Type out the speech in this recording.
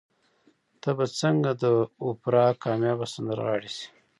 ته به څنګه د اوپرا کاميابه سندرغاړې شې؟